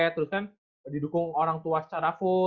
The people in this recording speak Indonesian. terus kan didukung orang tua secara full